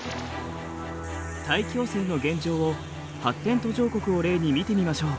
大気汚染の現状を発展途上国を例に見てみましょう。